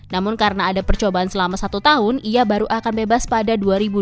namun karena ada percobaan selama satu tahun ia baru akan bebas pada dua ribu dua puluh